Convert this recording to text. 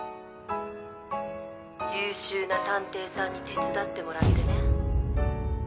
優秀な探偵さんに手伝ってもらってね。